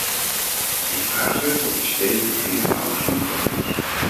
Dit vraagstuk wordt in stedelijke kringen nauwelijks onderkend.